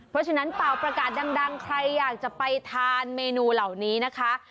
เพราะฉะนั้นเป่าประกาศดังใครอยากจะไปทานเมนูเหล่านี้นะคะ